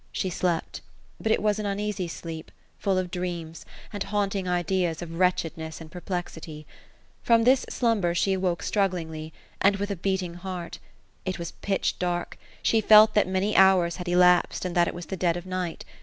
She slept; but it was an unea sy sleep, full of dreams, and haunting ideas of wretchedness and per plexity. From this slumber she awoke strugglingly, and with a beating heart. It was pilch dark ; she felt that many hours had elapsed, and that it was dead of night.